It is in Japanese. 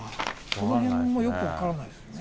そのへんもよく分からないですよね。